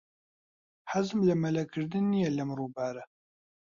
حەزم لە مەلەکردن نییە لەم ڕووبارە.